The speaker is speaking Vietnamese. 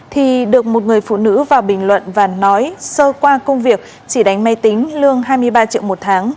thì được một người phụ nữ vào bình luận và nói sơ qua công việc chỉ đánh máy tính lương hai mươi ba triệu một tháng